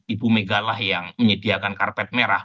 ibu megalah yang menyediakan karpet merah